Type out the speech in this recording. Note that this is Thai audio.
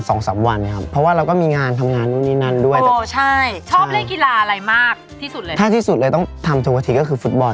ตอนเด็กมีไหมว่าอยากเป็นกีฬา